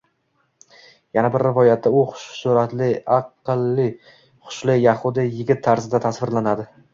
Yana bir rivoyatda u xush suratli, aqlli-xushli yahudiy yigit tarzida tasvirlanadi